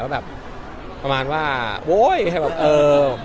ก็ว้อยไม่จบยังไหม